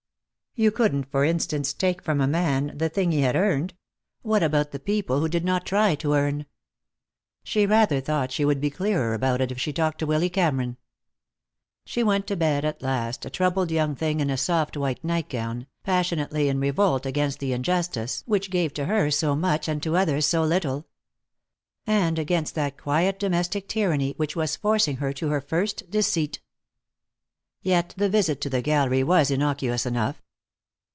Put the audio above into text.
You couldn't, for instance, take from a man the thing he had earned. What about the people who did not try to earn? She rather thought she would be clearer about it if she talked to Willy Cameron. She went to bed at last, a troubled young thing in a soft white night gown, passionately in revolt against the injustice which gave to her so much and to others so little. And against that quiet domestic tyranny which was forcing her to her first deceit. Yet the visit to the gallery was innocuous enough.